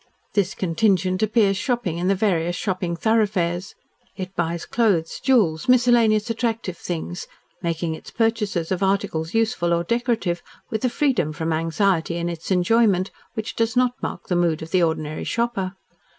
This contingent appears shopping in the various shopping thoroughfares; it buys clothes, jewels, miscellaneous attractive things, making its purchases of articles useful or decorative with a freedom from anxiety in its enjoyment which does not mark the mood of the ordinary shopper.